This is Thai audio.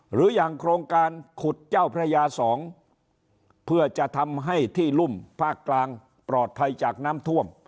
หรืออย่างโครงการขุดเจ้าพระยา๒เพื่อจะทำให้ที่รุ่มภาคกลางปลอดภัยจากน้ำท่วม